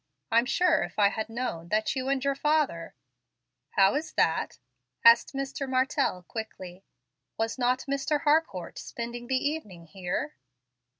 I'm sure if I had known that you and your father " "How is that?" asked Mr. Martell, quickly. "Was not Mr. Harcourt spending the evening here?"